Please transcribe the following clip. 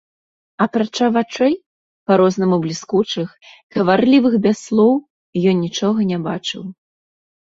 Апрача вачэй, па-рознаму бліскучых, гаварлівых без слоў, ён нічога не бачыў.